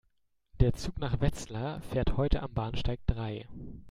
Der Zug nach Wetzlar fährt heute am Bahnsteig drei